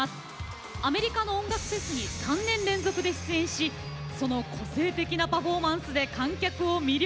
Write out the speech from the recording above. アメリカの音楽フェスに３年連続で出演しその個性的なパフォーマンスで観客を魅了。